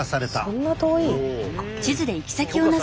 そんな遠い？